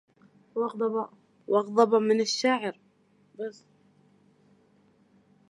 واغضبا من شاعر